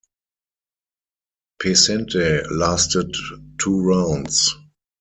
Pesente lasted two rounds.